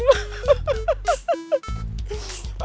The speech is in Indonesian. nggak enak amat